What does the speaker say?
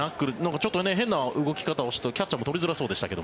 ちょっと変な動き方をしてキャッチャーもとりづらそうでしたが。